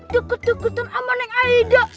deket deketan ama neng aida